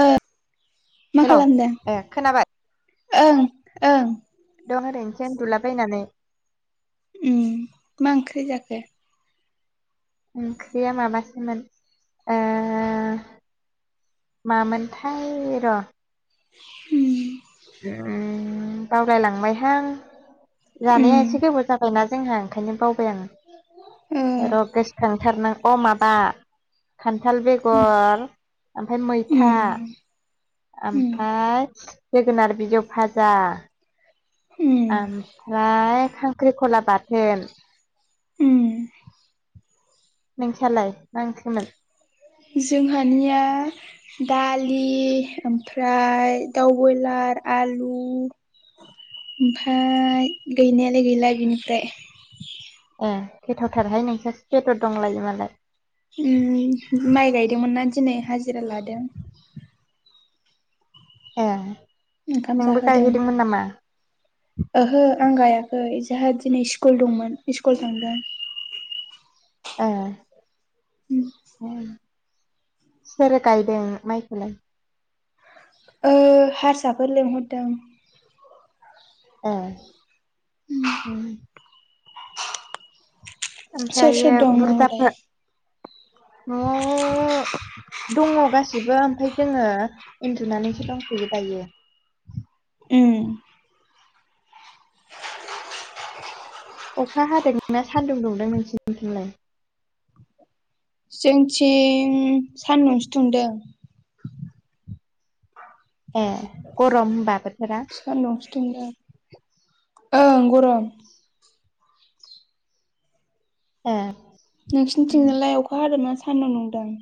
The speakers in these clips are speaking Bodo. ओ मा हेलौ खालामदों ए खोनाबाय। ओं ओं। दं ओरैनोसै उन्दुलाबायनानै। उ मा ओंख्रि जाखो। ओंख्रिया माबासोमोन। ओ मामोनथाय र'। उम। उम बावलायलांबायहां उम जानाया एसे गोबाव जाबायना। जोंहा ओंखायनो बावबाय आं ओ र' गोसोखांथारनां अ माबा। खान्थाल बेगर ओमफ्राय मैथा। उम उम ओमफ्राय जोगोनार बिजौ भाजा। उम ओमफ्राय खांख्रिखला बाथोन। उम। नोंसायालाय मा ओंख्रिमोन। जोंहानिया। दालि ओमफ्राय दाउ बयलार आलु। ओमफ्राय गैनायालाय गैला बिनिफ्राय। ए गोथावथारहाय नोंस्रासो बेदर दंलायो मालाय। उम माइ गायदोंमोनना दिनै हाजिरा लादों। ए ओंखाम नोंबो जाहोदों गायहैदोंमोन नामा। ओहो आं गायाखै जोंहा दिनै स्कुल दंमोन स्कुल थांदों। अ। उ। सोर गायदों माइखौलाय। ओ हारसाफोर लिंहरदों। ए उम। सोर ओमफ्रायो सोर दं नयावलाय। बुरजाफोर न'आव दङ गासिबो ओमफ्राय। जोङो उन्दुनानैसो दंफैयो दायो। उम। अखा हादोंना सानदुं दुंदों नोंसोरनिथिलाय। जोंथिं सानदुंसो दुंदों। ए गरम होनबा बोथोरा सान'दुं। ओं गरम। ए। नोंसिनिथिंनालाय अखा हादोंना सानदुं दुंदों।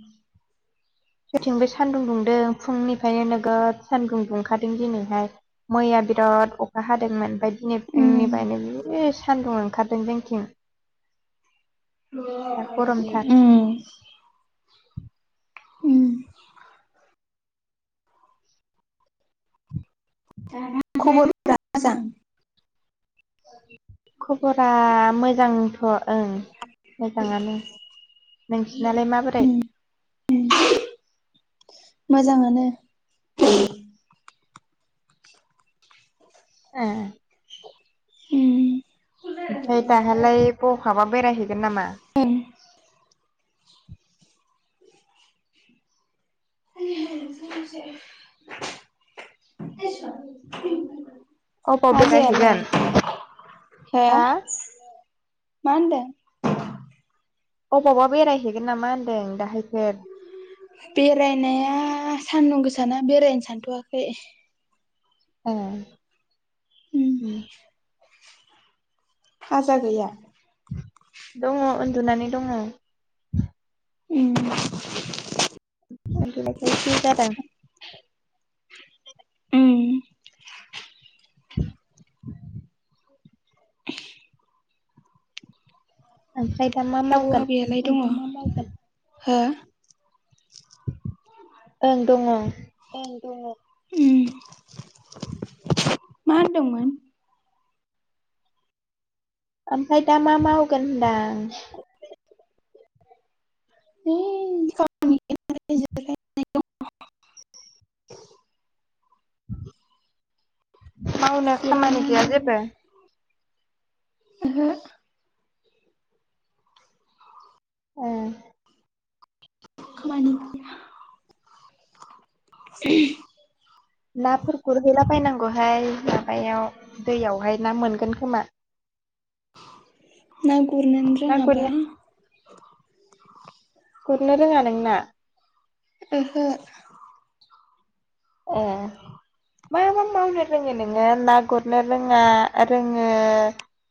जेथिंबो सानदुं दुंदों फुंनिफ्रायनो नोगोद सानदुं दुंखादों दिनैहाय मैया। बिराद अखा हादोंमोन ओमफ्राय दिनै उम फुंनिफ्रायनो बि सान्दुं ओंखारदों जोंथिं। [inaudible] औ। दा गरमथार उ। खबरा मोजां। खबरा मोजांथ'। ओं मोजाङानो नोंसोनालाय माबोरै। [inaudible] मोजाङानो। उ उ। उम ओमफफ्राय दाहालाय बहाबा बेरायहैगोन नामा। [inaudible] अबाव आजाया लाय बेरायहैगोन हो। हा मा होनदों। अबावबा बेरायहैगोन नामा होनदों दाहायफोर। बेरायनाया सान्दुं गोसाना बेरायनो सानथ'वाखै। औ उ। फाजा गैया। दङ उन्दुनानै दङ उ [unintelligible] उम [unintelligible] [unintelligible] ओमफ्राय दा मा आबौ मावगोन आबैयालाय दङ हो ओं दङ ओम मा होनदोंमोन ओमफ्राय दा मा मा मावगोन होनदां [unintelligible] [inaudible] माउनो खामानि गैया जिरायनानै जेबो ओहो ए खामानि [unintelligible] नाफोर गुरहैलाबायनांगौहाय माबायाव दैयावहाय ना मोनगोन खोमा [inaudible] ना गुरनोनो ना गुरनो रोङाबा गुरनो रोङा नोंना ओहो ए मा मा मावनो रोङो नोङो ना गुरनो रोङा रोङो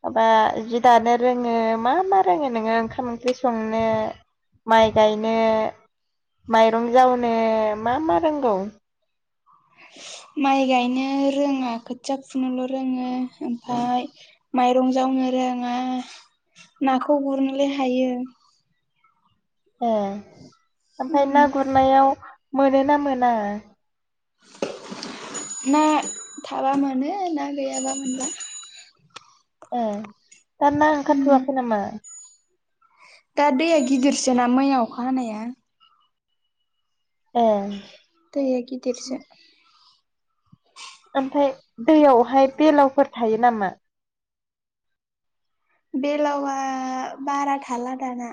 माबा जि दानो रोङो मा मा रोङो नोङो ओंखाम ओंख्रि संनो माइ गायनो माइरं जावनो मा मा रोंगौ [inaudible] माइ गायनो रोङा खोथिया फुनोल' रोङो ओमफाय माइरं जावनो रोङा नाखौ गुरनोलाय हायो ए ओमफ्राय ना गुरनायाव मोनो ना मोना ना थाबा मोनो ना गैयाबा मोनला ए दा ना ओंखारथ'वाखै नामा दा दैया गिदिरसोना मैया अखा हानाया ए दैया गिदिरसो। ओमफाय दैयावहाय बेलावफोर थायो नामा? बेलावआ बारा थाला दाना।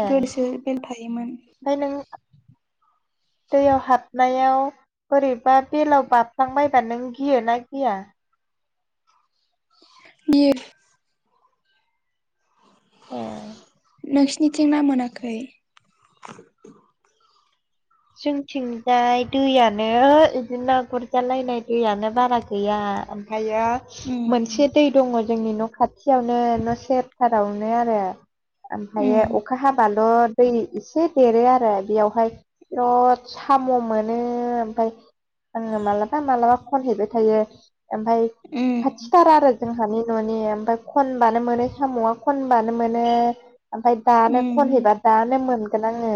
ए ओमफ्राय गोदोसो बेलथायोमोन। नों [inaudible] दैयाव हाबनायाव बोरैबा बेलाव बाबफ्लांबायबा नों गियो ना गिया? गियो। ए। नोंसिनिथिं ना मोनाखै? जोंथिंजाय दैयानो बिदिनो गुरजालायनाय दैयानो बारा गैया। ओमफायो दा मोनसे दै दङ जोंनि न' खाथियावनो न' सेरथारावनो आरो। ओमफायो अखा हाबाल' दै एसे देरो आरो बेयावहाय साम' मोनो ओमफाय आङो मालाबा मालाबा खनहैबाय थायो। ओमफाय खाथिथारा आरो जोंहानि न'नि ओमफ्राय खनबानो मोनो साम'आ खनबानो मोनो ओमफ्राय दानो खनहैबा दानो मोन -गोन आङो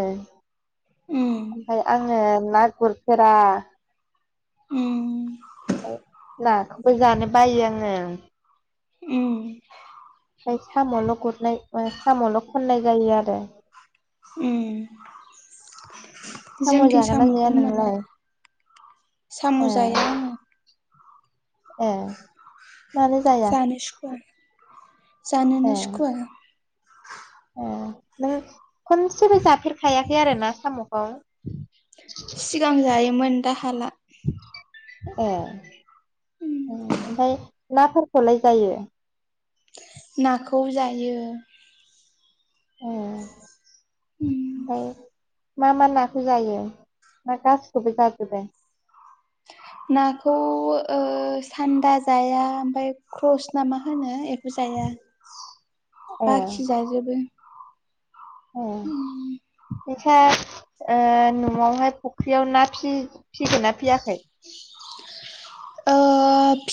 ओमफाय आङो ना गुरफेरा। नाखौबो जानो बायो आङो। उम। साम'ल' गुरनाय ओ साम'ल' खननाय जायो आरो। उम। साम' जोंथिं जागोन ना जाया साम'खौनो मोना नोंलाय साम' ए जाया आङो। ए। मानो जाया जानो सुखुवा। जानोनो सुखुवा। ओ नों खनसेबो जाफेरखायाखै आरो ना साम'खौ? सिगां जायोमोन दा हाला। ए ओमफाय नाफोरखौलाय जायो? नाखौ जायो। ए ओमफाय। मा मा नाखौ जायो ना गासिखौबो जाजोबो? नाखौ ओ सान्दा जाया ओमफाय क्रस ना मा होनो बेखौ जाया जाया बाखि जाजोबो। औ मैथाथ न'आवहाय फुख्रियाव ना फिगोन ना फियाखै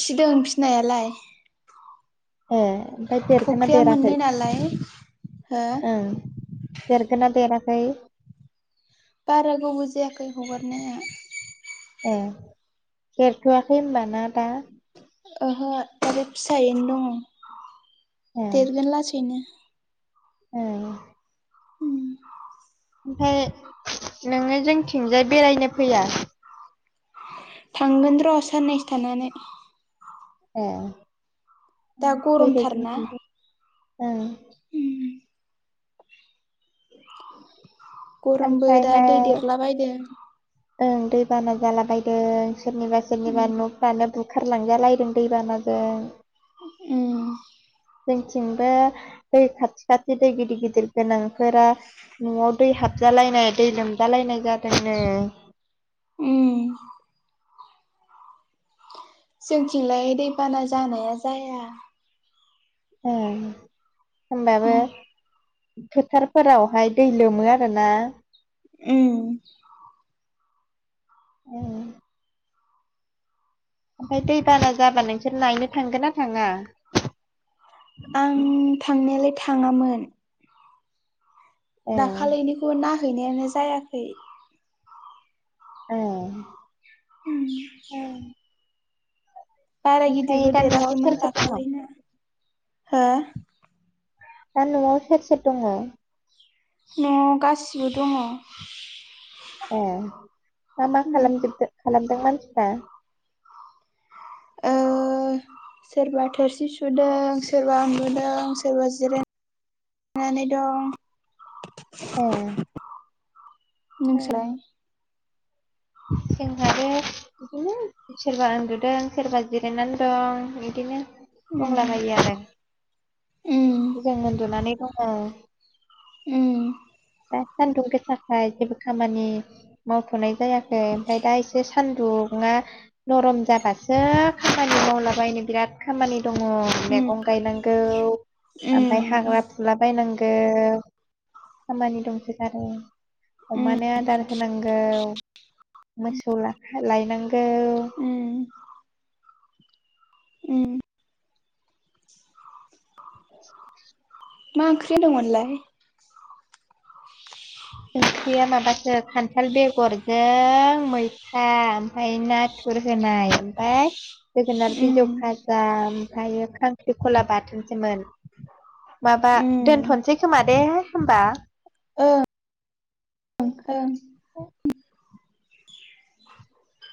फिदों फिनायालाय फुख्रिया मोननै नालाय हो देरगोनना देराखै बारा गोबाव जायाखै हगारनाया ए देरथ'आखै होमबा ना दा ओहो आरो फिसायैनो दं देरगोन लासैनो ओ उम ओमफाय नोङो जोंथिंजाय बेरायनो फैया थांगोन र' साननैसो थानानै ए ओम दा फैथो गरमथारना जोंनिथिंजाय ओं गरमबो दा ओमफ्रायहाय दै देरलाबायदों ओं दै बाना जाला बदों सोरनिबा सोरनिबा उम न'फ्रानो बु खारलांजालायदों दैबानाजों उम जोंथिंबो दै खाथि खाथि दै गिदिर गिदिर गोनांफोरा न'आव दै हाबजोब जालायनाय दै लोमजालायनाय जादोंनो। उम जोंथिंलाय दैबाना जानाया जाया। ओं होनबाबो। फोथारफोरावहाय दै लोमो आरोना। उम औ ओमफाय दैबाना जाबा नोंसोर नायनो थांगोन ना थाङा? आं थांनायालाय थाङामोन। ए दाखालिनिखौ नाहैनायानो जायाखै। ओं उम बारा ओमफ्राय गिदिरबो दा न'आव सोर देराखैमोन सोर दङ दाखालिना। हो? दा न'आव सोर सोर द'ङ? न'आव गासिबो दङ। ए दा मा उम खालामजोब खालामदों मानसिफ्रा? [inaudible] ओ सोरबा थोरसि सुदों सोरबा उन्दुदों सोरबा जिरायदों थानानै दं। ए ओं नोंस्रालाय? जोंहाबो बिदिनो सोरबा उन्दुदों सोरबा जिरायनानै दं बिदिनो। उम दंलाबायो उम आरो जों उन्दुनानै दङ। उम दा सान्दुं गोसाख जेबो खामानि मावथ'नाय जाया खै ओमफ्राय दा एसे सानदुंङा नरम जाबासो खामानि मावलाबायनो बिराद खामानि दङ उम मैगं गायनांगौ ओमफफ्राय उम हाग्रा फुला बायनां गौ खामानि दंसो गारो। उम अमानो आदार होनांगौ मोसौ लायनां उम उम मा ओंख्रि होनदों मोनलाय? [inaudible] [inaudible] ख्रिया माबासो खान्थाल बेगरजों मैथा ओमफ्राय नाथुर हो नाय ओमफ्राय जोगोनार उम बिजौ फाजा ओमफ्रायो खांख्रिखला बाथोनसोमोन। माबा दोनथ'सै खोमा दे होमबा। ओ औ [inaudible]